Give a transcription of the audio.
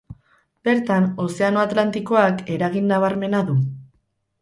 Bertan, ozeano atlantikoak eragin nabarmena du.